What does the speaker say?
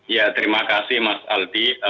ya terima kasih mas aldi